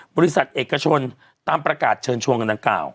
บริษัทเอกชนตามประกาศเชิญชวนกันดังกล่าว